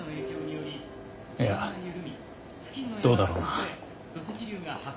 いやどうだろうな。